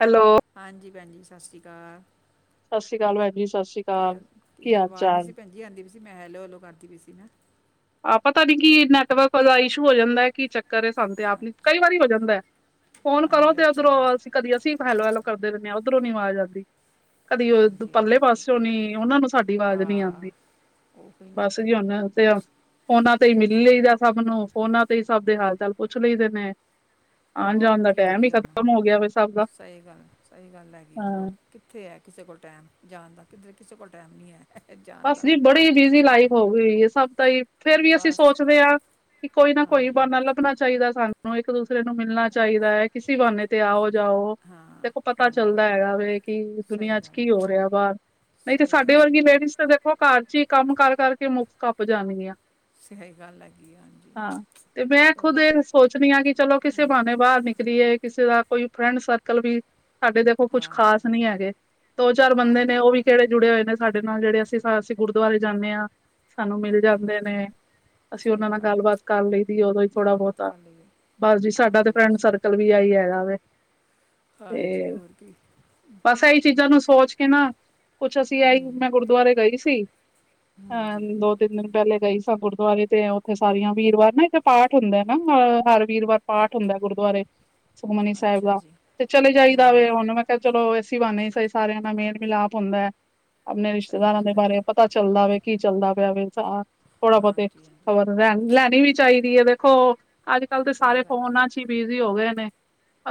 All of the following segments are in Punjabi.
ਹੈਲੋ। ਹਾਂਜੀ, ਭੈਂਜੀ ਸਾਸਰੀ ਕਾਲ। ਸਾਸੀ ਕਾਲ ਪੈਂਜੀ, ਸਾਸੀ ਕਾਲ ਕੀ ਗੱਲ ਹਾਲ ਆਵਾਜ਼ ਨਹੀਂ ਸੀ ਚਾਲ ਭੈਣ ਜੀ ਆਂਦੀ ਸੀ ਮੈਂ ਹੈਲੋ, ਹੈਲੋ ਕਾਰਦੀ ਪੀ ਸੀ ਨਾ ਆ ਪਤਾ ਨੀ ਕਿ ਨੈਟਵਰਕ ਦਾ ਇਸ਼ੂ ਹੋ ਜਾਂਦੈ, ਕੀ ਚੱਕਰ ਏ ਸਾਨੂ ਤੇ ਆਪ ਨੀ, ਅੱਛਾ ਕਈ ਵਾਰੀ ਹੋ ਜਾਂਦੈ। ਫੋਨ ਕਰੋ ਹਾਂਜੀ ਤੇ ਅੱਛਾ ਓਧਰੋਂ ਜੀ ਅਸੀ ਕਦੀ ਅਸੀ ਹੈਲੋ, ਹੈਲੋ ਕਰਦੇ ਰੈਨੇ ਆਂ, ਓਧਰੋ ਨੀ ਵਾਜ਼ ਆਂਦੀ। ਕਦੀ ਉ ਹਾਂਜੀ ਪੱਰਲੇ ਹਾਂਜੀ ਤੇ ਪਾਸੇਓਂ ਨੀ, ਓਨਾਂ ਨੂੰ ਸਾਡੀ ਆ ਵਾਜ਼ ਨੀ ਆਂਦੀ। ਉਹ ਹੀ ਨਾ ਬਾੱਸ ਜੀ ਹੁਨ, ਤੇ ਹੋਰ ਆ ਸ- ਫੋਨਾਂ ਤੇ ਈ ਮਿੱਲ ਹਾਂਜੀ ਲਈਦੈ ਸਬ ਨੂੰ, ਫੋਨਾਂ ਤੇ ਈ ਸਬ ਦੇ ਹਾਲ ਚਾਲ ਪੁੱਛ ਲਈਦੇ ਨੇ। ਆਣ ਹੋਰ ਜਾਣ ਦਾ ਕੀ ਟੈਮ ਹੀ ਕਰੀਏ ਹੁਨ, ਖਤਮ ਹੋ ਗਿਆ ਵੇ ਸਭ ਦਾ ਸਈ ਗਾੱਲ ਐ, ਸਈ ਗਾੱਲ ਹੈਗੀ ਏ, ਹਾਂ। ਹੋਰ ਕਿੱਥੇ ਐ ਕਿਸੇ ਕੋਲ ਟੈਮ ਜਾਨ ਦਾ, ਕਿੱਧਰ ਕਿਸੇ ਕੋਲ ਟਾਈਮ ਨੀ ਐ। ਬਾੱਸ ਜੀ ਬੜੀ ਬਿਜੀ ਲਾਈਫ ਹੋਗੀ ਹੋਈ ਏ, ਸਬ ਦਾ ਈ ਫੇਰ ਵੀ ਅਸੀ ਬਸ ਸੋਚਦੇ ਆਂ ਕਿ ਕੋਈ ਨਾ ਕੋਈ ਹਾਂਜੀ ਬਾਨਾ ਲੱਭਨਾ ਚਾਹੀਦੈ ਸਾਨੂੰ, ਇੱਕ ਦੂਸਰੇ ਨੂੰ ਮਿਲਨਾ ਚਾਹੀਦੈ। ਕਿਸੀ ਬਾਨੇ ਤੇ ਆਓ, ਜਾਓ ਹਾਂ ਦੇਖੋ ਪਤਾ ਹਾਂਜੀ ਚੱਲਦਾ ਹੈਗਾ ਵੇ ਕਿ ਸਹੀ ਦੁਨੀਆਂ ਚ ਗੱਲ ਕੀ ਹੋ ਰੇਆ ਬਾਰ, ਨਈ ਤੇ ਸਹੀ ਗੱਲ ਸਾਡੇ ਵਰਗੀ ਸਹੀ ਗੱਲ ਲੇਡੀਜ਼ ਤੇ ਦੇਖੋ ਘਰ ਚ ਈ ਕੰਮ ਕੱਰ ਕੱਰਕੇ ਮੁੱਕ ਕੱਪ ਜਾਨ ਗਿਆਂ। ਸਹੀ ਗੱਲ ਹੈਗੀ ਆ, ਹਾਂਜੀ ਹਾਂ, ਤੇ ਮੈਂ ਖੁੱਦ ਏ ਸੋਚਨੀ ਆਂ ਕਿ ਚਲੋ ਕਿਸੇ ਬਾਨੇ ਬਾਰ ਨਿਕਲ ਨਿਕਲਿਏ, ਕਿਸੇ ਦਾ ਕੋਈ ਫਰੈਂਡ ਸਰਕਲ ਵੀ ਸਾਡੇ ਦੇਖੋ ਕੁੱਛ ਹਾਂਜੀ ਖਾਸ ਨੀ ਹੈਗੇ, ਦੋ ਚਾਰ ਬੰਦੇ ਨੇ ਹਾਂਜੀ ਓ ਵੀ ਕੇੜੇ ਜੁੜੇ ਹੋਏ ਨੇ ਸਾਡੇ ਨਾਲ, ਜੇੜੇ ਤੇ ਅਸੀ ਗੁਰਦੁਆਰੇ ਜਾਂਨੇ ਆਂ ਸਾਨੂੰ ਮਿਲ ਹਾਂਜੀ ਜਾਂਦੇ ਨੇ, ਅਸੀ ਓਨਾਂ ਸਹੀ ਨਾਲ ਗੱਲ ਹੈ। ਗਾੱਲਬਾਤ ਕਰ ਲਈਦੀ ਓਦੋਂ ਈ ਥੋੜਾ ਗੱਲਬਾਤ ਬੋਤਾਂ ਕਰ ਲਈਏ ਬਾੱਸ ਜੀ ਸਾਡਾ ਤੇ ਹਾਂਜੀ ਫਰੈਂਡ ਸਰਕਲ ਵੀ ਐਈ ਹੈਗਾ ਵੇ। ਹਾਂਜੀ, ਹੋਰ ਕੀ ਬਾੱਸ ਐਈ ਚੀਜ਼ਾਂ ਨੂੰ ਸੋਚ ਕੇ ਨਾ, ਕੁਛ ਅਸੀ ਐਈ ਹੂੰ ਮੈਂ ਗੁਰਦੁਆਰੇ ਗਈ ਸੀ ਹੂੰ ਹਾਂ, ਜੀ ਦੋ ਤਿੰਨ ਦਿਨ ਹੂੰ, ਪੈਲੇ ਗਈ ਸਾਂ ਗੁਰਦੁਆਰੇ, ਤੇ ਓਥੇ ਸਾਰੀਆਂ ਵੀਰਵਾਰ ਨਾ ਇੱਕ ਪਾਠ ਹੁੰਦੈ ਨਾ ਹਰ ਵੀਰਵਾਰ ਪਾਠ ਅੱਛ- ਹੁੰਦੈ ਗੁਰਦੁਆਰੇ ਸੁਖਮਨੀ ਸਾਇਬ ਅੱਛਾ ਦਾ, ਜੀ ਤੇ ਚਲੇ ਹੂੰ ਜਾਈਦਾ ਵੇ ਹੂੰ, ਹੁਨ ਮੈਂ ਚਲੋ ਏੱਸੀ ਬਾਨੇ ਈ ਸਈ ਸਾਰਿਆਂ ਨਾਲ ਮੇਲ ਮਿਲਾਪ ਹੁੰਦੈ, ਆਪਨੇ ਸਹੀ ਰਿਸ਼ਤੇਦਾਰਾਂ ਦੇ ਗੱਲ ਹੈਗੀ ਬਾਰੇ ਪਤਾ ਚੱਲ ਚੱਲਦਾ ਵੇ ਕੀ ਚੱਲਦਾ ਪਯੈ ਵੇ, ਥੋੜਾ ਬੋਤੇ ਹਾਂਜੀ ਹਾਂਜੀ ਖ਼ਬਰ ਰੈਨ ਲੈਨੀ ਵੀ ਚਾਹੀਦੀ ਏ ਵੇਖੋ ਅੱਜ ਕੱਲ ਤੇ ਸਹੀ ਸਾਰੇ ਗੱਲ ਹੈਗੀ ਫੋਨਾਂ ਚ ਈ ਬਿਜੀ ਹੋ ਗਏ ਨੇ।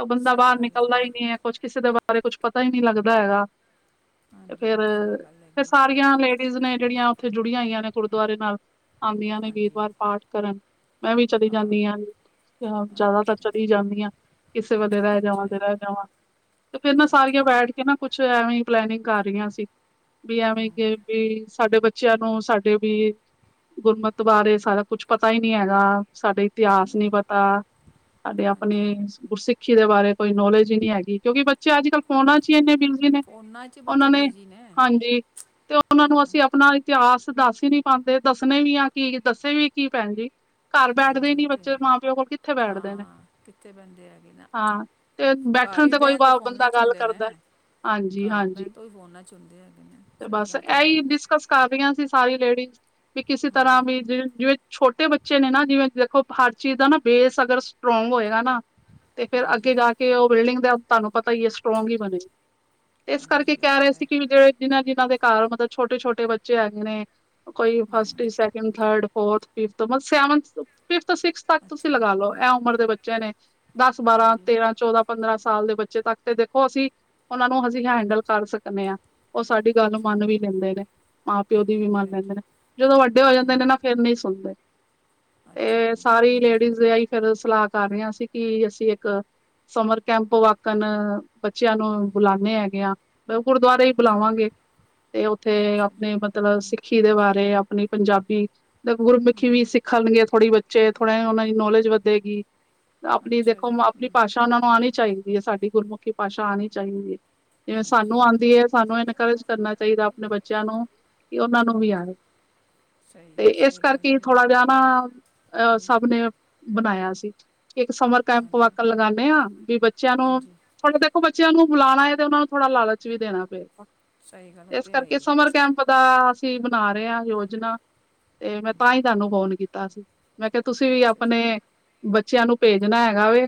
ਬੰਦਾ ਸਹੀ ਬਾਰ ਗੱਲ ਨਿਕਲਦਾ ਹੈਗੀ ਈ ਨੀ ਐ, ਕੁਛ ਕਿਸੇ ਦੇ ਬਾਰੇ ਕੁਛ ਪਤਾ ਈ ਨੀ ਲੱਗਦਾ ਹੈਗਾ। ਤੇ ਹਾਂਜੀ, ਫੇਰ ਸਈ ਗਾੱਲ ਫਿਰ ਹੈਗੀ ਏ, ਤੇ ਹੋਰ ਸਾਰੀਆਂ ਲੇਡੀਜ਼ ਨੇ ਜੇੜੀਆਂ ਓੱਥੇ ਜੁੜੀਆਂ ਹੋਈਆਂ ਨੇ ਗੁਰਦੁਆਰੇ ਨਾਲ, ਆਂਦੀਆਂ ਨੇ ਹਾਂਜੀ ਵੀਰਵਾਰ ਪਾਠ ਕਰਨ। ਮੈਂ ਵੀ ਚਲੀ ਜਾਨੀ ਆ ਜਾਦਾਤਰ ਅੱਛਾ ਚਲੀ ਜਾਂਨੀ ਆ ਕਿਸੇ ਵੇਲੇ ਰੈ ਅੱਛਾ ਜਾਵਾਂ, ਤੇ ਰੈ ਜਾਵਾਂ ਤੇ ਫੇਰ ਨਾ ਅੱਛਾ ਸਾਰੀਆਂ ਜੀ ਬੈਠ ਕੇ ਨਾ ਕੁੱਛ ਐਵੇਂ ਈ ਪਲੈਨਿਂਗ ਕਰ ਰੀਆਂ ਸੀ। ਵੀ ਹੂੰ ਐਵੇਂ ਕੇ ਵੀ ਸਾਡੇ ਬੱਚਯਾ ਨੂੰ ਸਾਡੇ ਵੀ ਗੁਰਮੱਤ ਬਾਰੇ ਸਾਰਾ ਕੁੱਛ ਪਤਾ ਈ ਨੀ ਹੈਗਾ, ਸਾਡਾ ਇਤਿਹਾਸ ਨੀ ਹਾਂਜੀ ਪਤਾ ਸਾਡੇ ਆਪਣੇ ਹਾਂਜੀ ਹੂੰ, ਗੁਰਸਿੱਖੀ ਦੇ ਬਾਰੇ ਕੋਈ ਨੌਲੇਜ ਈ ਨੀ ਹੈਗੀ ਕਿਉਂਕਿ ਬੱਚੇ ਅੱਜ-ਕੱਲ ਫੋਨਾਂ ਚ ਹਾਂਜੀ ਈ ਐਨੇ ਬਿਜੀ ਨੇ ਓਨਾਂ ਨੇ ਕਿੰਨੇ ਹਾਂਜੀ। ਤੇ ਓਨਾਂ ਨੂੰ ਅਸੀ ਆਪਨਾ ਇਤਿਹਾਸ ਦੱਸ ਈ ਨੀ ਪਾਂਦੇ, ਦੱਸਨੇ ਨੀ ਆ ਕੀ ਦੱਸੇ ਵੀ ਕੀ ਪੈਂਜੀ ਘਰ ਬੈਠਦੇ ਈ ਹਾਂਜੀ ਉਹ ਨੀ ਤੇ ਬੱਚੇ, ਮਾਂ-ਪਿਓ ਕੋਲ ਕਿੱਥੇ ਬੈਠਦੇ ਨੇ, ਹਾਂ ਕਿੱਥੇ ਬੰਦੇ ਹੈਗੇ ਨਾ ਹਾਂ। ਤੇ ਘਰ ਬੈਠਣ ਹੀ ਤੇ ਕੋਈ ਬਹਿਣ ਵਾ ਫੋਨਾਂ ਬੰਦਾ 'ਚ ਗੱਲ ਹੁੰਦੇ ਨੇ ਕਰਦਾ ਹਾਂਜੀ, ਘਰ ਹਾਂਜੀ। ਬਹਿਣ ਤੋਂ ਹੀ ਫੋਨਾਂ ਚ ਹੁੰਦੇ ਹੈਗੇ ਨੇ। ਤੇ ਸਹੀ ਬਸ ਗੱਲ ਹੈ ਐਈ ਵੇ। ਡਿਸਕਸ ਕਰ ਰੀਆਂ ਸੀ, ਸਾਰੀ ਲੇਡੀਜ਼। ਵੀ ਕਿਸੇ ਤਰਾਂ ਹਾਂਜੀ ਵੀ ਜਿ ਜਿਵੇਂ ਛੋਟੇ ਬੱਚੇ ਬੱਚੇ ਨੇ ਨਾ ਜਿਵੇਂ ਦੇਖੋ ਹਰ ਚੀਜ਼ ਦਾ ਨਾ ਬੇਸ ਅਗਰ ਸਟਰੋਂਗ ਹੋਏਗਾ ਨਾ ਤੇ ਫੇਰ ਹਾਂਜੀ ਅੱਗੇ ਜਾ ਕੇ ਕਿ ਉਹ ਬਿਲਡਿੰਗ ਦਾ ਤੁਹਾਨੂੰ ਪਤਾ ਈ ਐ ਸਟਰੋਂਗ ਹੀ ਬਣੇ ਤੇ ਇਸ ਕਰਕੇ ਹਾਂਜੀ ਉਹ ਕਹਿ ਤੇ ਰੇ ਹੈ ਸੀ। ਕਿ ਜਿਹੜੇ ਜਿਨਾਂ ਜਿਨਾਂ ਦੇ ਘਰ ਮਤਲਬ ਛੋਟੇ ਛੋਟੇ ਬੱਚੇ ਹੈਗੇ ਨੇ ਕੋਈ ਫਸਟ ਹੂੰ ਵਿੱਚ ਸੈਕਿੰਡ ਥਰਡ ਫੋਰਥ, ਫਿਫਥ ਮਤਲਬ ਸੈਵਨਥ, ਫਿਫਥ, ਸਿਕਸਥ ਤੱਕ ਤੁਸੀਂ ਅੱਛਾ ਜੀ ਲਗਾਲੋ ਇਹ ਉਮਰ ਦੇ ਬੱਚੇ ਨੇ। ਦਸ, ਬਾਰਾਂ, ਹਾਂਜੀ ਤੇਰਾਂ, ਚੌਦਾਂ ਪੰਦਰਾਂ ਸਾਲ ਦੇ ਬੱਚੇ ਤੱਕ ਤੇ ਦੇਖੋ ਅਸੀਂ ਉਹਨਾ ਨੂੰ ਅਸੀਂ ਹੈਂਡਲ ਕਰ ਸਕਦੇ ਆ। ਓ ਸਾਡੀ ਗੱਲ ਅੱਛਾ ਮੰਨ ਜੀ ਵੀ ਲੈਂਦੇ ਨੇ। ਮਾਂ-ਪਿਓ ਦੀ ਵੀ ਹਾਂਜੀ ਮੰਨ ਹਾਂਜੀ ਲੈਂਦੇ ਨੇ ਜਦੋਂ ਵੱਡੇ ਹੋ ਜਾਂਦੇ ਨੇ ਹੂੰ ਨਾ ਫੇਰ ਨੀ ਸੁਣਦੇ। ਅੱਛਾ ਤੇ ਜੀ ਸਾਰੀ ਹੂੰ ਲੇਡੀਜ਼ ਇਹੀ ਫੇਰ ਸਲਾਹ ਕਰ ਰੀਆਂ ਸੀ ਕਿ ਅਸੀਂ ਇੱਕ ਸਮਰ ਕੈਂਪ ਵਕਨ ਬੱਚਿਆਂ ਨੂੰ ਹੂੰ ਬੁਲਾਨੇ ਹੈਗੇ ਆ ਓ ਗੁਰਦੁਆਰੇ ਈ ਅੱਛਾ ਬੁਲਾਵਾਂਗੇ ਤੇ ਉੱਥੇ ਅੱਛਾ ਜੀ ਆਪਣੇ ਮਤਲਬ ਹੂੰ ਸਿੱਖੀ ਦੇ ਬਾਰੇ ਆਪਣੀ ਪੰਜਾਬੀ ਗੁਰਮੁਖੀ ਵੀ ਹੂੰ ਸਿੱਖਣਗੇ ਥੋੜ੍ਹੀ ਬੱਚੇ ਥੋੜ੍ਹਾ ਉਹਨਾਂ ਦੀ ਨੌਲੇਜ ਵਧੇਗੀ। ਆਪਣੀ ਅੱਛਾ ਦੇਖੋ ਜੀ ਆਪਣੀ ਹੂੰ ਭਾਸ਼ਾ ਉਹਨਾਂ ਨੂੰ ਆਣੀ ਚਾਹੀਦੀ ਐ ਸਾਡੀ ਗੁਰਮੁਖੀ ਭਾਸ਼ਾ ਆਣੀ ਚਾਹੀਦੀ ਐ। ਜਿਵੇਂ ਹਾਂਜੀ ਸਾਨੂੰ ਆਂਦੀ ਹਾਂਜੀ ਐ ਸਾਨੂੰ ਇਨਕਰੇਜ ਕਰਨਾ ਚਾਹੀਦਾ ਆਪਣੇ ਬੱਚਿਆਂ ਨੂੰ ਕਿ ਉਹਨਾਂ ਨੂੰ ਵੀ ਹਾਂਜੀ ਆਏ। ਸਹੀ ਤੇ ਹੈ ਇਸ ਸਹੀ ਗੱਲ ਹੈ ਕਰਕੇ ਜੀ ਥੋੜਾ ਜਾ ਹਾਂ, ਹੂੰ ਸਭ ਨੇ ਬਣਾਇਆ ਸੀ। ਇੱਕ ਸਮਰ ਕੈਂਪ ਹਾਂਜੀ ਵਾਕ ਲਗਾਂਦੇ ਆ ਵੀ ਬ ਬੱਚਿਆਂ ਨੂੰ ਹਾਂਜੀ ਥੋੜਾ ਦੇਖੋ ਬੱਚਿਆਂ ਨੂੰ ਬੁਲਾਣਾ ਐ ਤੇ ਉਹਨਾਂ ਨੂੰ ਥੋੜਾ ਲਾਲਚ ਵੀ ਦੇਣਾ ਪਏਗਾ। ਸਹੀ ਗੱਲ ਉਹ ਇਸ ਤੇ ਹੈ ਕਰਕੇ ਹੀ ਹੈ ਸਮਰ ਕੈਂਪ ਦਾ ਅਸੀਂ ਬਣਾ ਰਹੇ ਆ ਯੋਜਨਾ ਤੇ ਮੈਂ ਹੂੰ, ਤਾਂ ਜੀ ਹੀ ਤੁਹਾਨੂੰ ਫੋਨ ਕੀਤਾ ਸੀ। ਮੈਂ ਕਿਹਾ ਤੁਸੀਂ ਵੀ ਅੱਛਾ ਆਪਣੇ ਜੀ ਬੱਚਿਆਂ ਨੂੰ ਭੇਜਣਾ ਹੈਗਾ ਵੈ।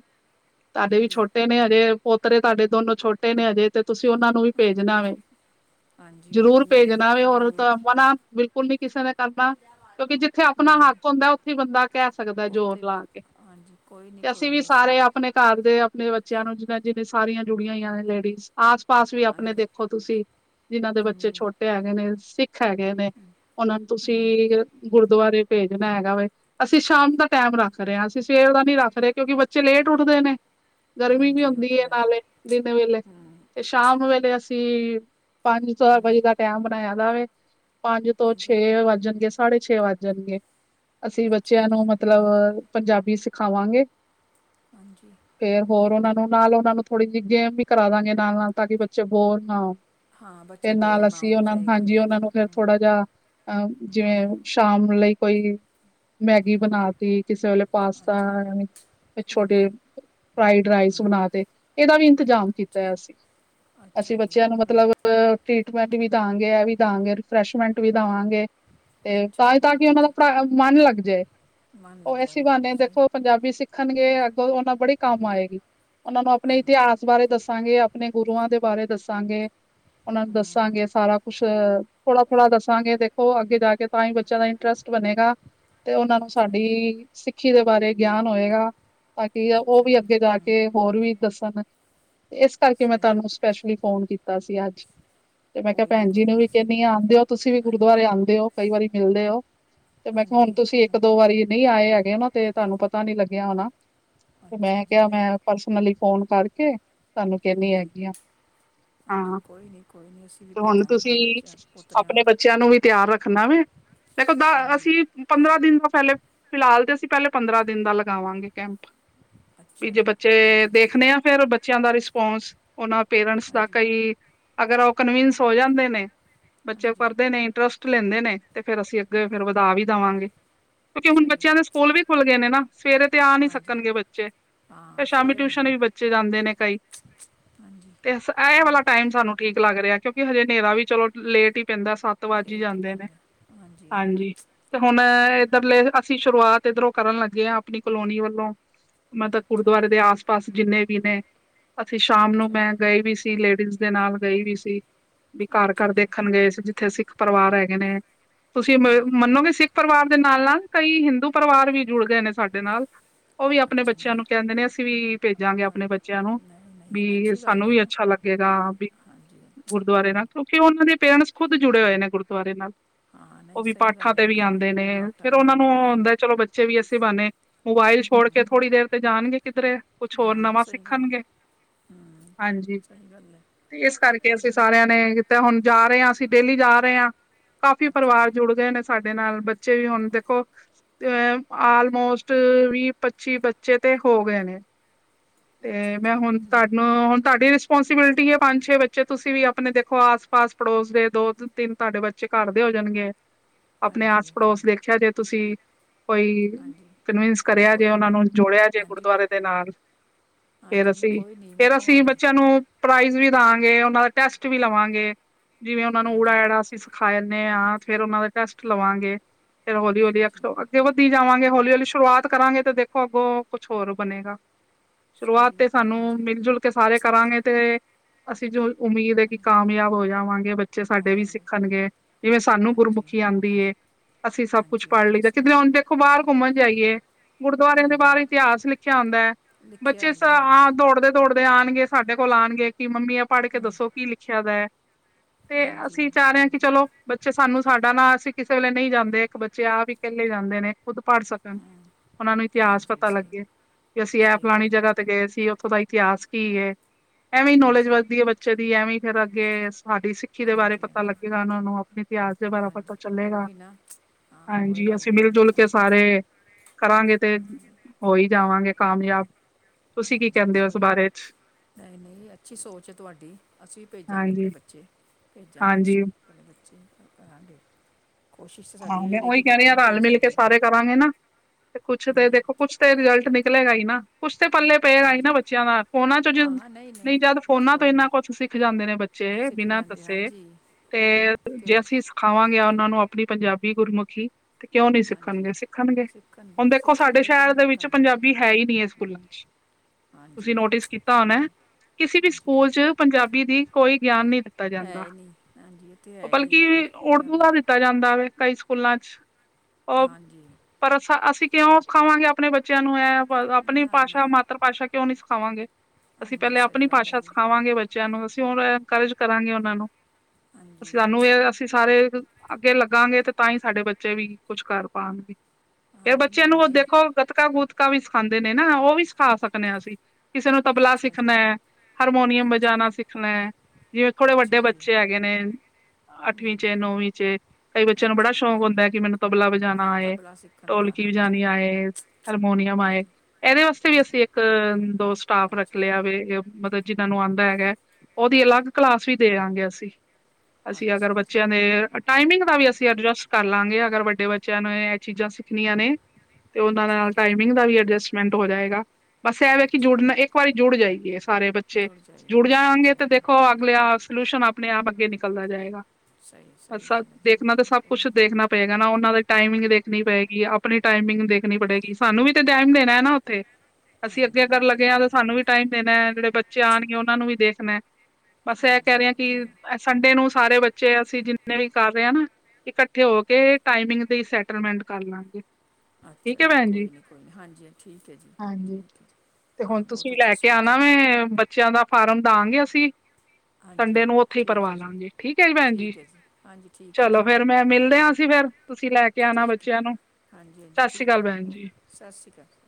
ਤੁਹਾਡੇ ਹੂੰ, ਵੀ ਜੀ ਛੋਟੇ ਨੇ ਹਜੇ ਪੋਤਰੇ ਤੁਹਾਡੇ ਦੋਨੋ ਛੋਟੇ ਨੇ ਅਜੇ ਤੇ ਤੁਸੀਂ ਉਹਨਾਂ ਨੂੰ ਵੀ ਹਾਂਜੀ ਭੇਜਣਾ ਵੇ। ਹਾਂਜੀ ਹਾਂਜੀ ਜ਼ਰੂਰ ਨਹੀਂ ਭੇਜਣਾ ਵੇ ਔਰ ਜ਼ਰੂਰ ਤਾਂ ਮਨਾ ਬਿਲਕੁਲ ਨੀ ਕਿਸੇ ਨੇ ਕਰਨਾ। ਕਿਉਂਕਿ ਜਿੱਥੇ ਆਪਣਾ ਹੱਕ ਨਹੀਂ ਹੁੰਦਾ ਉਥੀ ਬੰਦਾ ਕਹਿ ਸਕਦਾ ਜ਼ੋਰ ਉੱਥੇ ਵ- ਲਾ ਕੇ। ਹਾਂਜੀ ਕੋਈ ਨਹੀਂ ਤੇ ਅਸੀਂ ਕੋਈ ਵੀ ਨਹੀਂ ਸਾਰੇ ਆਪਣੇ ਘਰ ਦੇ ਆਪਣੇ ਬੱਚਿਆਂ ਨੂੰ ਜਿਨ੍ਹਾਂ ਜਿਨੇ ਸਾਰੀਆਂ ਜੁੜੀਆਂ ਹੀ ਨੇ ਲੇਡੀਜ਼ ਆਸ ਪਾਸ ਵੀ ਆਪਣੇ ਹਾਂਜੀ ਦੇਖੋ। ਤੁਸੀਂ ਜਿਨਾਂ ਦੇ ਬੱਚੇ ਹਾਂਜੀ ਛੋਟੇ ਹੈਗੇ ਨੇ ਸਿੱਖ ਹੈਗੇ ਨੇ ਹਮ, ਉਹਨਾਂ ਨੂੰ ਹਾਂਜੀ ਤੁਸੀਂ ਗੁਰਦੁਆਰੇ ਭੇਜਣਾ ਹੈਗਾ ਵੈ। ਅਸੀਂ ਸ਼ਾਮ ਦਾ ਟਾਈਮ ਰੱਖ ਰੇ ਆ ਅਸੀਂ ਸਵੇਰ ਦਾ ਨੀ ਰੱਖ ਰੇ ਕਿਉਂਕਿ ਬੱਚੇ ਲੇਟ ਉੱਠਦੇ ਨੇ। ਗਰਮੀ ਵੀ ਹਾਂਜੀ ਉਹ ਹੁੰਦੀ ਤੇ ਐ ਹੈ ਨਾਲੇ ਦਿਨ ਵੇਲੇ ਹਮ, ਤੇ। ਸ਼ਾਮ ਵੇਲੇ ਅਸੀਂ ਪੰਜ ਚਾਰ ਵਜੇ ਹਮ, ਦਾ ਟੈਮ ਬਣਾਇਆ ਦਾ ਵੇ। ਪੰਜ ਤੋਂ ਹਾਂਜੀ ਛੇ ਵੱਜ ਜਾਣਗੇ ਸਾਢੇ ਛੇ ਵੱਜ ਜਾਣਗੇ। ਅਸੀਂ ਅੱਛਾ ਬੱਚਿਆਂ ਜੀ ਨੂੰ ਹਮ, ਮਤਲਬ ਪੰਜਾਬੀ ਸਿਖਾਵਾਂਗੇ। ਹਾਂਜੀ ਫੇਰ ਹਮ, ਹੋਰ ਉਹਨਾ ਨੂੰ ਨਾਲ ਉਹਨਾਂ ਨੂੰ ਥੋੜ੍ਹੀ ਜਿਹੀ ਗੇਮ ਵੀ ਕਰਾ ਦਾਂਗੇ ਨਾਲ ਨਾਲ ਤਾਂ ਕਿ ਬੱਚੇ ਬੋਰ ਨਾ ਹੋ ਹਾਂ ਬੱਚੇ ਤੇ ਬੋਰ ਨਾਲ ਨਾ ਅਸੀਂ ਹੋਣ ਓਨਾਂ ਨੂੰ ਸਹੀ ਗੱਲ ਹਾਂਜੀ ਹੈ ਓਨਾਂ ਨੂੰ ਫੇਰ ਹਮ, ਥੋੜਾ ਜਿਹਾ ਅਹ ਹਮ, ਜਿਵੇਂ ਸ਼ਾਮ ਲਈ ਕੋਈ ਮੈਗੀ ਹਮ, ਬਣਾ ਥੀ ਕਿਸੇ ਵੇਲੇ ਪਾਸਤਾ ਅੱਛਾ ਜੀ ਫੇਰ ਛੋਟੇ ਹਾਂਜੀ ਫਰਾਈਡ ਰਾਈਸ ਹਮ, ਬਣਾ ਤੇ ਏਦਾ ਵੀ ਇੰਤਜ਼ਾਮ ਅੱਛਾ ਕੀਤਾ ਜੀ ਅਸੀਂ। ਅੱਛਾ ਅਸੀਂ ਜੀ ਬੱਚਿਆਂ ਨੂੰ ਹਮ, ਮਤਲਬ ਟ੍ਰੀਟਮੈਂਟ ਵੀ ਦਾਂਗੇ ਐ ਵੀ ਦਾਂਗੇ ਰਿਫਰੈਸ਼ਮੈਂਟ ਵੀ ਦਵਾਂਗੇ। ਤੇ ਅੱਛਾ ਤਾਂ ਹੀ ਜੀ ਤਾਂ ਕਿ ਓਨਾਂ ਦਾ ਹਾਂਜੀ ਪੜਾ ਮਨ ਲੱਗ ਜਾਏ ਮਨ ਓ ਲੱਗਿਆ ਐਸੀ ਰਹੇ ਬਾਣੇ ਸਹੀ ਦੇਖੋ ਪੰਜਾਬੀ ਸਿੱਖ ਣਗੇ ਅੱਗੋਂ ਓਨਾ ਬੜੀ ਕੰਮ ਆਏਗੀ ਓਨਾਂ ਨੂੰ ਆਪਣੇ ਹਾਂਜੀ ਇਤਿਹਾਸ ਬਾਰ ਦੱਸਾਂਗੇ ਆਪਣੇ ਗੁਰੂਆਂ ਦੇ ਬਾਰੇ ਦੱਸਾਂਗੇ ਓਨਾਂ ਨੂੰ ਹਮ, ਦੱਸਾਂਗੇ ਸਾਰਾ ਕੁਛ ਇਹ, ਥੋੜ੍ਹਾ-ਥੋੜ੍ਹਾ ਦੱਸਾਂਗੇ ਦੇਖੋ ਅੱਗੇ ਜਾ ਕੇ ਤਾਂ ਹੀ ਬੱਚਿਆਂ ਦਾ ਇੰਟਰਸਟ ਬਣੇਗਾ। ਤੇ ਓਨਾਂ ਨੂੰ ਅੱਛਾ ਜੀ ਸਾਡੀ ਸਿੱਖੀ ਦੇ ਬਾਰੇ ਹਮ, ਗਿਆਨ ਹੋਏਗਾ। ਤਾਂ ਕਿ ਓ ਅੱਛਾ ਵੀ ਜੀ ਅੱਗੇ ਜਾ ਹੂੰ ਕੇ ਹੋਰ ਵੀ ਦੱਸਣ ਏਸ ਕਰਕੇ ਮੈਂ ਸਹੀ ਹੈ। ਤਾਨੂੰ ਸਪੈਸ਼ਲੀ ਫੋਨ ਕੀਤਾ। ਸੀ ਅੱਜ ਤੇ ਮੈਂ ਕਿਹਾ ਕੋਈ ਨਹੀਂ ਪੈਣ ਜੀ ਕੋਈ ਨੂੰ ਵੀ ਨਹੀਂ ਸੀ ਕੇਨੀ ਆ ਆਦੇ ਹੋ ਤੁਸੀਂ ਵੀ ਹਾਂਜੀ ਗੁਰਦੁਆਰੇ ਆਦੇ ਔ ਕਈ ਵਾਰੀ ਮਿਲਦੇ ਓ ਤੇ ਮੈਂ ਕਿਹਾ ਹੁਣ ਹਾਂਜੀ ਤੁਸੀਂ ਇੱਕ ਹੂੰ ਦੋ ਵਾਰੀ ਨਈ ਆਏ ਹੈਗੇ ਨਾ। ਤੇ ਤਾਨੂੰ ਪਤਾ ਨੀ ਲੱਗਿਆ ਹੋਣਾ ਤੇ ਅੱਛਾ ਮੈਂ ਜੀ ਕੇਆ ਨਹੀਂ ਮੈਂ ਪਰਸਨਲੀ ਫੋਨ ਕਰਕੇ ਤਾਨੂੰ ਕੇਣੀ ਹਾਂਜੀ ਹੈਗੀ ਆਂ। ਹਾਂਜੀ ਹਾਂ ਕੋਈ ਨਹੀਂ ਕੋਈ ਨਹੀਂ ਅਸੀਂ ਵੀ ਤੇ ਹੁਣ ਭੇਜਾਂਗੇ ਆਪਣੇ ਤੁਸੀਂ ਬੱਚਿਆਂ ਪੋਤਰਿਆਂ ਅਪਣੇ ਬੱ ਬੱਚਿਆਂ ਨੂੰ ਵੀ ਤਿਆਰ ਰੱਖਣਾ ਵੇ ਦੇਖੋ ਦਾ ਹਾਂਜੀ ਅਸੀਂ ਪੰਦਰਾਂ ਦਿਨ ਤੋਂ ਪੈਲੇ ਫਿਲਹਾਲ ਤੇ ਅਸੀਂ ਪੈਲੇ ਪੰਦਰਾਂ ਦਿਨ ਦਾ ਲਗਾਵਾਂਗੇ ਕੈਂਪ। ਈ ਅੱਛਾ ਜੇ ਜੀ ਬੱਚੇ ਹਾਂਜੀ ਦੇਖਣੇ ਆ। ਫੇਰ ਬੱਚਿਆਂ ਦਾ ਰਿਸਪੋਂਸ ਓਨਾਂ ਪੇਰੈਂਟਸ ਦਾ ਹਾਂਜੀ ਕਈ ਅਗਰ ਓ ਕਨਵੀਨਸ ਹੋ ਜਾਂਦੇ ਨੇ ਬੱਚੇ ਹਾਂਜੀ ਪਰਦੇ ਨੇ ਇੰਟਰਸਟ ਲੈਂਦੇ ਨੇ ਤੇ ਫੇਰ ਅਸੀਂ ਅੱਗੇ ਫਰ ਵਧਾ ਵੀ ਦੇਵਾਂਗੇ ਕਿਉਂਕਿ ਹੁਣ ਸਹੀ ਬੱਚਿਆਂ ਹੈ। ਦੇ ਸਕੂਲ ਵੀ ਖੁੱਲਗੇ ਨੇ ਨਾ। ਸਵੇਰੇ ਤੇ ਆ ਨੀ ਹਾਂਜੀ ਸਕਣਗੇ ਬੱਚੇ ਫੇਰ ਹਾਂ ਸ਼ਾਮੀ ਸਵੇਰੇ ਟਿਊਸ਼ਨ ਨਹੀਂ ਵੀ ਬੱਚੇ ਜਾਂਦੇ ਨੇ ਕਈ। ਹਾਂਜੀ। ਤੇ ਐ ਵਾਲਾ ਹੂੰ ਟਾਈਮ ਸਾਨੂੰ ਠੀਕ ਲੱਗ ਰਿਹਾ ਕਿਉਂਕਿ ਹਜੇ ਹਨੇਰਾ ਵੀ ਚਲੋ ਲੇਟ ਹੀ ਪੈਂਦਾ ਸੱਤ ਤੇ ਵੱਜ ਹੀ ਜਾਂਦੇ ਨੇ ਹਾਂਜੀ ਤੇ ਹੁਣ ਸਹੀ ਗੱਲ ਹੈ। ਇੱਧਰਲੇ ਅਸੀਂ ਸ਼ੁਰੂਆਤ ਇੱਧਰੋਂ ਕਰਨ ਲੱਗੇ ਆ ਅਪਣੀ ਕਲੋਨੀ ਵੱਲੋਂ ਮਤਲਬ ਅੱਛਾ ਗੁਰਦੁਆਰੇ ਜੀ ਦੇ ਆਸ-ਪਾਸ ਜਿੰਨੇ ਵੀ ਨੇ ਅਸੀਂ ਸ਼ਾਮ ਨੂੰ ਅੱਛਾ ਮੈ ਜੀ ਗਏ ਵੀ ਸੀ ਲੇਡੀਜ਼ ਦੇ ਨਾਲ ਗਈ ਵੀ ਸੀ ਵੀ ਅੱਛਾ ਕਾਰ-ਕਾਰ ਜੀ ਦੇਖਣ ਹੂੰ ਗਏ ਸੀ। ਜਿਥੇ ਸਿੱਖ ਪਰਵਾਰ ਹੈਗੇ ਨੇ। ਤੁਸੀਂ ਹਾਂਜੀ ਮੰਨੋਗੇ ਸਿੱਖ ਪਰਵਾਰ ਦੇ ਨਾਲ-ਨਾਲ ਕਈ ਹਿੰਦੂ ਪਰਵਾਰ ਵੀ ਜੁੜ ਗਏ ਨੇ ਸਾਡੇ ਨਾਲ। ਓ ਵੀ ਅਪਣੇ ਅੱਛਾ ਬੱਚਿਆਂ ਨਹੀਂ ਨੂੰ ਕੈਂਦੇ ਨੇ ਅਸੀਂ ਵੀ ਪੇਜਾਂਗੇ ਅਪਣੇ ਬੱਚਿਆਂ ਨੂੰ ਹਾਂਜੀ ਨਹੀਂ ਨਹੀਂ ਬੀ ਅੱਛੀ ਗੱਲ ਹੈ ਓਵੀ ਨਾ ਅੱਛਾ ਲੱਗੇਗਾ ਹਾਂ- ਬੀ ਹਾਂਜੀ ਗੁਰਦੁਆਰੇ ਨਾਲ ਕਿਉਂਕਿ ਓਨਾਂ ਦੇ ਪੇਰੈਂਟਸ ਖੁਦ ਜੁੜੇ ਹੋਏ ਨੇ ਗੁਰਦੁਆਰੇ ਨਾਲ। ਹਾਂ ਓ ਨਹੀਂ ਵੀ ਸਹੀ ਪਾਠਾਂ ਗੱਲ ਤੇ ਵੀ ਹੈਗੀ ਆਂਦੇ ਨੇ ਪਾਠ ਫਿਰ ਵਾਲੇ ਉਹਨਾ ਨੂੰ ਹਾਂਜੀ ਹਾਂ ਹੁੰਦਾ ਚਲੋ ਬ ਬੱਚੇ ਵੀ ਏਸੀਂ ਬਾਣੇ ਮੋਬਾਇਲ ਛੋੜ ਕੇ ਹੂੰ ਥੋੜ੍ਹੀ ਦੇਰ ਤੇ ਜਾਣਗੇ ਕਿਧਰੇ ਕੁਛ ਹੋਰ ਜਾਣਗੇ ਨਵਾਂ ਸਹੀ ਗੱਲ ਸਿੱਖਣਗੇ। ਹੂੰ ਹਾਂਜੀ ਸਹੀ ਗੱਲ ਹੈ ਤੇ ਇਸ ਕਰਕੇ ਅਸੀਂ ਹੂੰ ਸਾਰੇਆਂ ਨੇ ਤੇ ਹੁਣ ਜਾ ਰੇ ਆ ਅਸੀਂ ਡੇਲੀ ਜਾ ਰੇ ਆ ਕਾਫ਼ੀ ਅੱਛਾ ਪਰਵਾਰ ਜੀ ਜੁੜ ਗਏ ਨੇ ਸਾਡੇ ਨਾਲ ਬੱਚੇ ਹੁਣ ਦੇਖੋ ਤੇ ਆਲਮੋਸਟ ਵੀਹ-ਪੱਚੀ ਬੱਚੇ ਤੇ ਹੋ ਗਏ ਨੇ। ਤੇ ਅੱਛਾ ਜੀ ਮੈਂ ਹੁਣ ਹੂੰ ਤਾ ਹੁਣ ਤਾਡੀ ਰਿਸਪੋਂਸੀਬਿਲਿਟੀ ਏ ਪੰਜ-ਛੇ ਬੱਚੇ ਤੁਸੀਂ ਵੀ ਅਪਣੇ ਦੇਖੋ ਆਸ-ਪਾਸ ਪੜੋਸ ਦੇ ਦੋ ਤਿੰਨ ਤਾਡੇ ਬੱਚੇ ਕਾਰ ਦੇ ਹੋ ਜਣਗੇ। ਅਪਣੇ ਹਾਂਜੀ ਆਸ ਪੜੋਸ ਹੂੰ ਦੇਖਿਆ ਜੇ ਤੁਸੀਂ ਕੋਈ ਹਾਂਜੀ ਕਨਵਿੰਸ ਕਰਿਆ ਜੇ ਕੋਈ ਓਨਾਂ ਨਹੀਂ ਨੂੰ। ਜੋੜਿਆ ਜੇ ਗੁਰਦੁਆਰੇ ਦੇ ਨਾਲ। ਫੇਰ ਹਾਂਜੀ ਹਾਂਜੀ ਅਸੀਂ ਕੋਈ ਨਹੀਂ ਮੈਂ। ਫੇਰ ਅਸੀਂ ਕਵਾਂਗੀ ਬੱਚਿਆਂ ਨੂੰ ਪ੍ਰਾਈਜ਼ ਵੀ ਦਵਾਂਗੇ ਉਹਨਾਂ ਦਾ ਟੈਸਟ ਵੀ ਲਵਾਂਗੇ। ਜਿਵੇਂ ਉਹਨਾਂ ਨੂੰ ਊੜਾ ਹਾਂਜੀ ਆੜਾ ਅਸੀਂ ਸਿਖਾ ਜਾਨੇ ਹਾਂ ਫੇਰ ਅਸੀ ਉਹਨਾਂ ਦੇ ਟੈਸਟ ਲਵਾਂਗੇ। ਫਿਰ ਹੌਲੀ ਹੌਲੀ ਹਾਂਜੀ ਅੱਗੇ ਵੱਧੀ ਜਾਵਾਂਗੇ ਹੌਲੀ ਹੌਲੀ ਸ਼ੁਰੂਆਤ ਕਰਾਂਗੇ ਤੇ ਦੇਖੋ ਅੱਗੋਂ ਕੁਛ ਹੋਰ ਬਣੇਗਾ। ਸ਼ੁਰੂਆਤ ਸਹੀ ਤੇ ਹੈ ਸਾਨੂੰ ਹਾਂਜੀ ਮਿਲ ਜੁਲ ਕੇ ਸਾਰੇ ਕਰਾਂਗੇ ਤੇ। ਅਸੀਂ ਜੋ ਉਮੀਦ ਹੈ ਕਿ ਹਾਂਜੀ ਕਾਮਯਾਬ ਹੋ ਜਾਵਾਂਗੇ ਬੱਚੇ ਸਾਡੇ ਵੀ ਆਵਾਂਗੇ ਸਿੱਖਣਗੇ। ਜਿਵੇਂ ਸਾਨੂੰ ਹਾਂਜੀ ਗੁਰਮੁਖੀ ਆਉਂਦੀ ਹੈ ਅਸੀਂ ਸਭ ਕੁੱਛ ਹਾਂਜੀ ਪੜ੍ਹ ਹਾਂਜੀ ਲਈ ਤਾਂ ਸਹੀ ਕਿਧਰ ਉਂਦੇ। ਦੇਖੋ ਬਾਹਰ ਘੁੰਮਣ ਜਾਈਏ ਗੁਰਦੁਆਰਿਆਂ ਦੇ ਹਾਂਜੀ ਬਾਹਰ ਇਤਿਹਾਸ ਲਿਖਿਆ ਹੁੰਦਾ ਹੈ। ਲਿਖਿਆ ਬੱਚੇ ਸ ਹੁੰਦਾ ਹਾਂ ਦੌੜਦੇ ਦੌੜਦੇ ਆਉਣਗੇ ਸਾਡੇ ਕੋਲ ਆਉਣਗੇ ਕਿ ਮੰਮੀ ਇਹ ਪੜ੍ਹ ਕੇ ਹੂੰ ਦੱਸੋ ਕੀ ਲਿਖਿਆ ਦਾ। ਤੇ ਹਾਂਜੀ ਅਸੀਂ ਚਾਹ ਰਹੇ ਹਾਂ ਕਿ ਹੂੰ ਚਲੋ। ਬੱਚੇ ਸਾਨੂੰ ਸਾਡਾ ਨਾ ਅਸੀਂ ਕਿਸੇ ਵੇਲੇ ਨਹੀਂ ਜਾਂਦੇ ਇੱਕ ਬੱਚੇ ਆਪ ਵੀ ਇਕਹਿਲੇ ਜਾਂਦੇ ਨੇ ਖੁੱਦ ਪੜ੍ਹ ਸਕਣ। ਹੂੰ, ਉਹਨਾਂ ਨੂੰ ਇਤਿਹਾਸ ਹਾਂਜੀ ਪਤਾ ਸਹੀ ਲੱਗੇ ਵੀ ਅਸੀਂ ਇਹ ਸਹੀ ਫਲਾਣੀ ਗੱਲ ਜਗ੍ਹਾ ਹੈ ਤੇ ਗਏ ਸੀ ਉੱਥੋਂ ਦਾ ਇਤਿਹਾਸ ਕੀ ਹੈ। ਐਵੇਂ ਈ ਨੌਲੇਜ ਜੀ ਹਾਂਜੀ ਵੱਧਦੀ ਹੈ ਬੱਚੇ ਦੀ ਐਵੇਂ ਫੇਰ ਅੱਗੇ ਸਾਡੀ ਸਿੱਖੀ ਦੇ ਬਾਰੇ ਹਾਂਜੀ ਪਤਾ ਹਾਂਜੀ ਲੱਗੇਗਾ ਉਹਨਾਂ ਨੂੰ ਆਪਣੇ ਇਤਿਹਾਸ ਦੇ ਬਾਰੇ ਪਤਾ। ਹਾਂਜੀ ਉਹ ਚਲੇਗਾ ਹੀ ਨਾ ਹਾਂ ਕੋਈ ਹਾਂਜੀ ਗੱਲ ਅਸੀਂ ਨਹੀਂ ਮਿਲ ਨਹੀਂ ਜੁਲ ਕੇ ਸਾਰੇ। ਕਰਾਂਗੇ ਤੇ ਹੋ ਹੀ ਜਾਵਾਂਗੇ ਕਾਮਯਾਬ ਤੁਸੀਂ ਕੀ ਹਾਂਜੀ ਕਹਿੰਦੇ ਹੋ। ਇਸ ਕੋਈ ਨਹੀਂ ਬਾਰੇ ਚ। ਨਹੀਂ ਨਹੀਂ ਅੱਛੀ ਸੋਚ ਹੈ ਤੁਹਾਡੀ ਅਸੀਂ ਭੇਜਾਂਗੇ ਆਪਣੇ ਹਾਂਜੀ ਬੱਚੇ ਭੇਜਾਂਗੇ ਹਾਂਜੀ ਅਸੀਂ। ਆਪਣੇ ਬੱਚੇ ਹੁਣ ਕਰਾਂਗੇ ਕੋਸ਼ਿਸ਼ ਤਾਂ ਹਾਂ ਸਾਡੀ ਮੈਂ ਇਹ ਉਹੀ ਰਹੇਗੀ ਕਹਿ ਰਹੀ ਬੱਚਿਆਂ ਹ ਨੂੰ ਰਲ ਮਿਲ ਭੇਜਣ ਕੇ ਦੀ ਸਾਰੇ ਕਰਾਂਗੇ ਨਾ ਤੇ ਕੁਛ ਤੇ ਹਾਂਜੀ ਦੇਖੋ ਕੁਛ ਤੇ ਰਿਜਲਟ ਨਿਕਲੇਗਾ ਹੀ ਨਾ। ਕੁਛ ਤੇ ਪੱਲੇ ਪਏ ਆ ਹੀ ਨਾ ਹਾਂਜੀ ਬੱਚਿਆਂ ਦਾ ਫੋਨਾ ਚੋਂ ਜੇ ਨਹੀਂ ਜਦ ਫੋਨਾਂ ਤੋਂ ਕੋਈ ਇੰਨਾ ਨਹੀਂ ਕੁਛ ਸਿੱਖ ਜਾਂਦੇ ਨੇ ਬੇ ਬੱਚੇ ਸਿੱਖ ਬਿਨਾਂ ਜਾਂਦੇ ਦੱਸੇ ਹਾਂਜੀ ਤੇ ਉਹ ਹੀ ਨਾ ਤੇ ਜੇ ਹੋਰ ਅਸੀਂ ਸਿਖਾਵਾਂਗੇ ਉਹਨਾਂ ਨੂੰ ਆਪਣੀ ਪੰਜਾਬੀ ਗੁਰਮੁਖੀ ਤੇ ਕਿਉਂ ਨਹੀਂ ਸਿੱਖਣਗੇ ਹਾਂਜੀ ਸਿੱਖਣਗੇ ਸਿੱਖਣਗੇ ਹੁਣ ਦੇਖੋ ਸਾਡੇ ਸਿੱਖਣਗੇ ਕਿਉਂ ਸ਼ਹਿਰ ਨਹੀਂ ਦੇ ਵਿੱਚ ਸਿੱਖਣਗੇ ਪੰਜਾਬੀ ਹੈ ਹੀ ਨਹੀਂ ਹੈ ਸਕੂਲਾਂ ਚ। ਤੁਸੀਂ ਹਾਂਜੀ ਨੋਟਿਸ ਕੀਤਾ ਸਹੀ ਹੋਨਾ ਗੱਲ ਕਿਸੇ ਵੀ ਹਾਂਜੀ ਸਕੂਲ ਹਾਂਜੀ ਚ ਪੰਜਾਬੀ ਦੀ ਕੋਈ ਗਿਆਨ ਨਹੀਂ ਦਿੱਤਾ ਜਾਂਦਾ ਹੈ ਹੀ ਨਹੀਂ ਹਾਂਜੀ ਇਹ ਤੇ ਹੈ ਹੀ ਨਹੀਂ ਬਲਕਿ ਉਰਦੂ ਪੰਜਾਬੀ ਦਾ ਦਿੱਤਾ ਜਾਂਦਾ ਵੇ ਕਈ ਸਕੂਲਾਂ ਚ ਉਹ ਹਾਂਜੀ ਪਰ ਅ ਅਸੀਂ ਕਿਉਂ ਸਿਖਾਵਾਂਗੇ ਆਪਣੇ ਬੱਚਿਆਂ ਨੂੰ ਇਹ ਆਪਣੀ ਨਾ ਭਾਸ਼ਾ ਨਾ ਮਾ ਤਰ ਭਾਸ਼ਾ ਕਿਉਂ ਨੀ ਸਿਖਾਵਾਂਗੇ ਅਸੀਂ ਹਾਂਜੀ ਪਹਿਲੇ ਆਪਣੀ ਸਹੀ ਗੱਲ ਹੈ ਭਾਸ਼ਾ ਜੀ ਸਿਖਵਾਂਗੇ। ਬੱਚਿਆਂ ਨੂੰ ਅਸੀਂ ਹਣ ਇਨਕਰੇਜ ਕਰਾਂਗੇ ਉਹਨਾਂ ਨੂੰ ਹਾਂਜੀ ਸਾਨੂੰ ਇਹ ਅਸੀਂ ਸਾਰੇ ਅੱਗੇ ਲੱਗਾਗੇ ਤੇ ਤਾਂ ਹੀ ਸਾਡੇ ਬੱਚੇ ਵੀ ਕੁੱਛ ਕਰ ਪਾਉਣਗੇ ਫੇਰ ਹਾਂਜੀ ਬੱਚਿਆਂ ਨਹੀਂ ਨੂੰ ਨਹੀਂ ਦੇਖੋ। ਗਤਕਾ ਗੁਤਕਾ ਵੀ ਸਿਖਾਦੇ ਨੇ ਨਾ ਉਹ ਵੀ ਸਿਖਾ ਸਕਦੇ ਹਾਂ ਅਸੀਂ। ਕਿਸੇ ਨੂੰ ਤਬਲਾ ਅੱਛਾ ਜੀ ਸਿੱਖਣਾ ਹੈ ਹਾਰਮੋਨੀਅਮ ਅੱਛਾ ਜੀ ਵਜਾਨਉਣਾ ਸਿੱਖਣਾ ਹੈ। ਜਿਵੇਂ ਥੋੜੇ ਵੱਡੇ ਅੱਛਾ ਜੀ ਬੱਚੇ ਹੈਗੇ ਨੇ ਅੱਠਵੀਂ ਚ ਹੂੰ ਨੌਵੀਂ ਚ। ਕਈ ਬੱਚਿਆਂ ਨੂੰ ਬੜਾ ਅੱਛਾ ਜੀ ਸ਼ੌਕ ਹੁੰਦਾ ਕਿ ਮੈਨੂੰ ਤਬਲਾ ਵਜਾਉਣਾ ਆਏ। ਤਬਲਾ ਸਿੱਖਣ ਦਾ ਢੋਲਕੀ ਹਾਂਜੀ ਬਜਾਨੀ ਆਏ ਹਰਮੋਨੀਅਮ ਆਏ। ਹਾਂਜੀ ਇਹਦੇ ਵਾਸਤੇ ਵੀ ਅਸੀਂ ਅੱਛਾ- ਇੱਕ ਦੋ ਸਟਾਫ ਰੱਖ ਅੱਛਾ ਜੀ ਲਿਆ ਵੇ ਮਤਲਬ ਜਿਹਨਾਂ ਨੂੰ ਆਉਂਦਾ ਹੈਗਾ ਉਹਦੀ ਅਲੱਗ ਕਲਾਸ ਵੀ ਦੇ ਦਾਂਗੇ ਅਸੀਂ। ਅਸੀਂ ਅਗਰ ਅੱਛਾ ਜੀ ਬੱਚਿਆਂ ਦੇ ਟਾਈਮਿੰਗ ਦਾ ਵੀ ਹਮ, ਅਸੀਂ ਐਡਜਸਟ ਕਰ ਲਾਂਗੇ ਅਗਰ ਵੱਡੇ ਬੱਚਿਆਂ ਨੂੰ ਇਹ ਚੀਜ਼ਾਂ ਸਿੱਖਣੀਆਂ ਨੇ ਤੇ ਉਹਨਾ ਅੱਛਾ ਨਾਲ ਜੀ ਹਮ, ਟਾਈਮਿੰਗ ਦਾ ਵੀ ਅਡਜਸਟ ਟ ਹੋ ਜਾਏਗਾ ਬਸ ਇਹ ਵ ਕਿ ਅੱਛਾ ਜੀ ਜੁੜਨਾ ਇੱਕ ਵਾਰੀ ਜੁੜ ਜਾਏਗੀ। ਸਾਰੇ ਬੱਚੇ ਜਾਈਏ ਜੁੜ ਜਾਣਗੇ ਹਾਂਜੀ ਤੇ ਹਾਂਜੀ ਦੇਖੋ ਅਗਲੇ ਸਲਿਊਸ਼ਨ ਆਪਣੇ ਆਪ ਅੱਗੇ ਨਿਕਲਦਾ ਜਾਏਗਾ। ਸਹੀ ਸਹੀ ਸ ਗੱਲ ਹੈ ਜੀ ਦੇਖਣਾ ਤੇ ਹਮ, ਸਭ ਕੁਛ ਹਮ, ਦੇਖਣਾ। ਪਏਗਾ ਨਾ ਉਹਨਾਂ ਦੀ ਟਾਈਮਿੰਗ ਦੇਖਣੀ ਪਏਗੀ ਆਪਣੀ ਟਾਈਮਿੰਗ ਦੇਖਣੀ ਪੜੇਗੀ ਸਾਨੂੰ ਵੀ ਤੇ ਟਾਈਮ ਦੇਣਾ ਐ ਨਾ ਉੱਥੇ। ਅਸੀਂ ਅੱਗੇ ਹਾਂਜੀ ਇਹ ਕਰਨ ਲੱਗੇ ਹੈ ਆ ਤੇ ਹੀ ਹੈ ਸਾਨੂੰ ਵੀ ਟਾਈਮ ਦੇਣਾ ਜਿਹੜੇ ਬੱਚੇ ਆਣਗੇ ਉਹਨਾਂ ਨੂੰ ਵੀ ਦੇਖਣਾ ਬਸ ਇਹ ਹਾਂਜੀ ਕਹਿ ਰੇ ਆ ਉਹ ਕਿ ਤੇ ਹੈ ਸੰਡੇ ਨੂੰ ਸਾਰੇ ਬੱਚੇ ਅਸੀਂ ਜਿ ਨੇ ਵੀ ਕਰ ਰੇ ਆ ਨਾ ਇਕੱਠੇ ਹੋ ਕੇ ਟਾਈਮਿੰਗ ਦੀ ਸੈਟਲਮੈਂਟ ਕਰ ਲਾਂਗੇ। ਅੱਛਾ ਠੀਕ ਹੈ ਜੀ, ਭੈਣ ਕੋਈ ਨੀ ਕੋਈ ਹਾਂਜੀ ਠੀਕ ਐ ਜੀ ਹਾਂਜੀ ਠੀਕ ਐ ਜੀ। ਤੇ ਹਾਂ ਹੁਣ ਬਹੁਤ ਤੁਸੀਂ ਅੱਛੀ ਲੈ ਕੇ ਸੋਚ ਆਣਾ ਹੈ ਵੇ ਬੱਚਿਆਂ ਦਾ ਫਾਰਮ ਦਆਂਗੇ ਅਸੀਂ। ਸੰਡੇ ਹਾਂਜੀ ਨੂੰ ਉੱਥੇ ਈ ਠੀਕ ਭਰਵਾ ਹੈ ਜੀ ਲਾਂਗੇ ਠੀਕ ਐ ਜੀ ਭੈਣ ਜੀ। ਠੀਕ ਹੈ ਹਾਂਜੀ। ਠੀਕ ਹੈ ਚਲੋ ਫੇਰ ਮੈਂ ਜੀ ਮਿਲਦੇ ਓਕੇ ਅਸੀਂ ਜੀ ਫਿਰ ਤੁਸੀਂ ਲੈ ਕੇ ਆਣਾ ਠੀਕ ਹੈ ਬੱਚਿਆਂ ਨੂੰ। ਹਾਂਜੀ ਹਾਂਜੀ, ਸਤਿ ਸ਼੍ਰੀ ਠੀਕ ਅਕਾਲ ਐ ਭੈਣ ਜੀ। ਓਕੇ ਸਤਿ ਸ਼੍ਰੀ ਅਕਾਲ।